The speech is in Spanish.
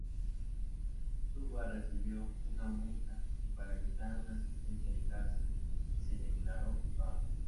Suwa recibió una multa y para evitar una sentencia de cárcel, se declaró culpable.